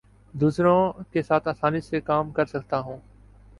دوسروں کے ساتھ آسانی سے کام کر سکتا ہوں